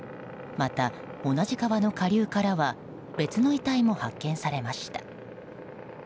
また同じ川の下流からは別の遺体も発見されました。